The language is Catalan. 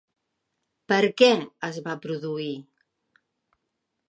Per què es va produir?